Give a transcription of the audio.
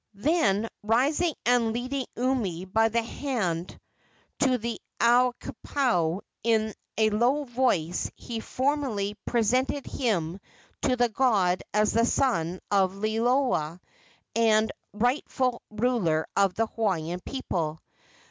Then, rising and leading Umi by the hand to the Akuapaao, in a low voice he formally presented him to the god as the son of Liloa and rightful ruler of the Hawaiian people.